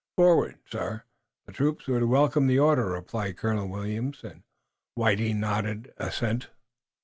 "Forward, sir! The troops would welcome the order!" replied Colonel Williams, and Whiting nodded assent.